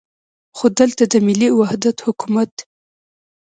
خو دلته د ملي وحدت حکومت.